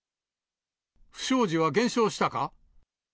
不祥事は減少したか。